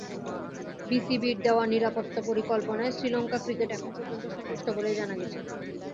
বিসিবির দেওয়া নিরাপত্তা পরিকল্পনায় শ্রীলঙ্কা ক্রিকেট এখন পর্যন্ত সন্তুষ্ট বলেই জানা গেছে।